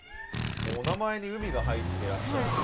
お名前に海が入ってらっしゃるという。